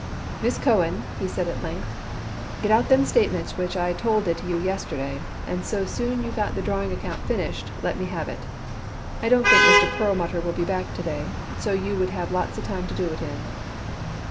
"Miss Cohen," he said at length, "get out them statements which I told it you yesterday, and so soon you got the drawing account finished, let me have it. I don't think Mr. Perlmutter will be back to day, so you would have lots of time to do it in."